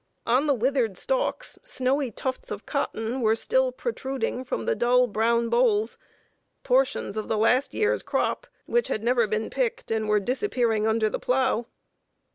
On the withered stalks snowy tufts of cotton were still protruding from the dull brown bolls portions of the last year's crop, which had never been picked, and were disappearing under the plow.